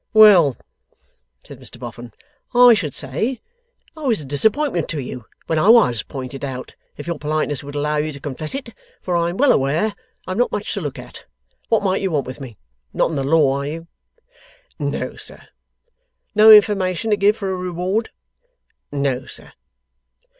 'Well,' said Mr Boffin, 'I should say I was a disappintment to you when I WAS pinted out, if your politeness would allow you to confess it, for I am well aware I am not much to look at. What might you want with me? Not in the law, are you?' 'No, sir.' 'No information to give, for a reward?' 'No, sir.